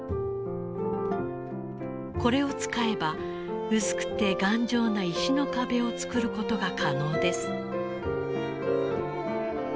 これを使えば薄くて頑丈な石の壁を作ることが可能です。